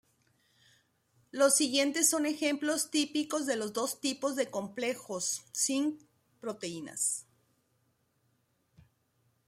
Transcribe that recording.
Los siguientes son ejemplos típicos de los dos tipos de complejos cinc-proteínas.